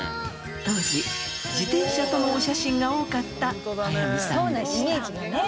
当時自転車とのお写真が多かった早見さんでした。